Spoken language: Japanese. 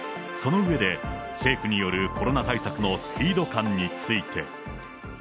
その上で、政府によるコロナ対策のスピード感について。